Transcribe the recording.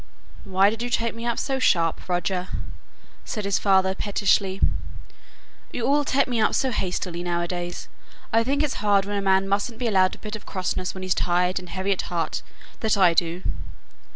"Why did you take me up so sharp, Roger?" said his father pettishly. "You all take me up so hastily now a days. I think it's hard when a man mustn't be allowed a bit of crossness when he's tired and heavy at heart that I do."